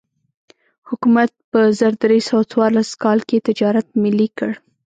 حکومت په زر درې سوه څوارلس کال کې تجارت ملي کړ.